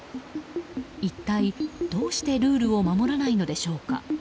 一体どうしてルールを守らないのでしょうか。